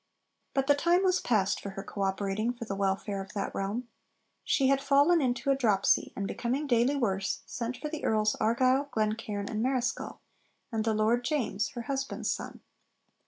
But the time was past for her co operating for the welfare of that realm. She had fallen into a dropsy, and, becoming daily worse, sent for the Earls Argyll, Glencairn, and Marischal, and the Lord James (her husband's son).